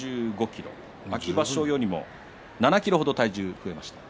秋場所以来、７ｋｇ体重が増えました。